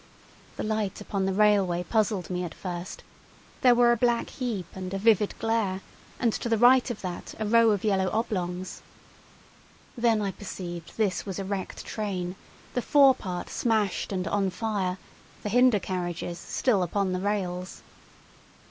The light upon the railway puzzled me at first; there were a black heap and a vivid glare, and to the right of that a row of yellow oblongs. Then I perceived this was a wrecked train, the fore part smashed and on fire, the hinder carriages still upon the rails.